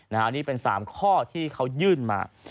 อันนี้เป็น๓ข้อที่เขายื่นมา